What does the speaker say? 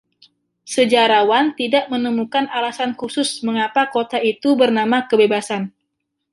Sejarawan tidak menemukan alasan khusus mengapa kota itu bernama Kebebasan.